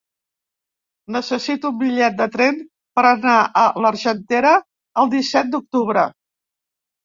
Necessito un bitllet de tren per anar a l'Argentera el disset d'octubre.